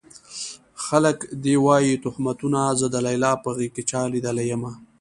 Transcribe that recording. خلک دې وايي تُهمتونه زه د ليلا په غېږ کې چا ليدلی يمه